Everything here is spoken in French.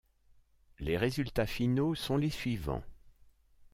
Les résultats finaux sont les suivants.